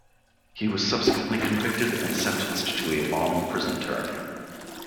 He was subsequently convicted and sentenced to a long prison term.